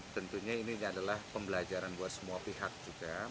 tentunya ini adalah pembelajaran buat semua pihak juga